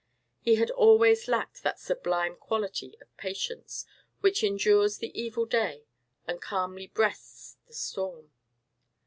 He had always lacked that sublime quality of patience, which endures the evil day, and calmly breasts the storm.